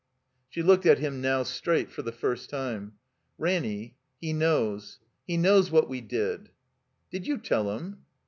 She looked at him now, straight, for the first time. "Ranny — he knows. He knows what we did." ''Did you tell him?"